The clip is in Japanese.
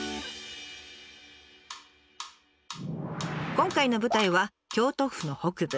今回の舞台は京都府の北部